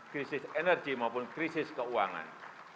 krisis energi maupun krisis keuangan